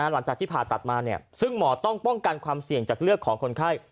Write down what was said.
หลังจากที่ผ่าตัดมาซึ่งหมอต้องป้องกันความเสี่ยงจากเลือดของคนไข้